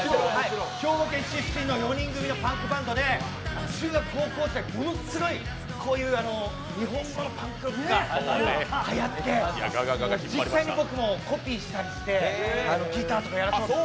兵庫県出身の４人組パンクバンドで中学・高校時代、ものすごいこういう日本語のパンクロックがはやって実際に僕もコピーしたりしてギターとかやらせてもらって。